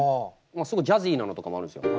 すごいジャジーなのとかもあるんですよ。